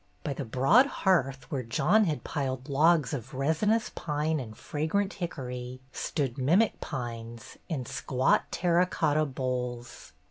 By the broad hearth, where John had piled logs of resinous pine and fragrant hickory, stood mimic pines in squat terra cotta bowls.